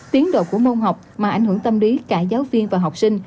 tiến độ của môn học mà ảnh hưởng tâm lý cả giáo viên và học sinh